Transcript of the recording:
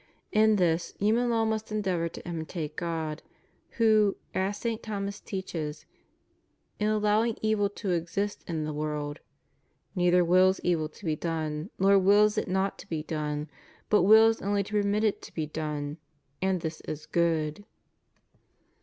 In this, human law must endeavor to imitate God, who, as St. Thomas teaches, in allowing evil to exist in the world, " neither wills evil to be done, nor wills it not to be done, but wills only to permit it to be done; and this is good."